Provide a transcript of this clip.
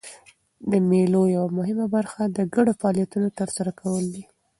د مېلو یوه مهمه برخه د ګډو فعالیتونو ترسره کول دي.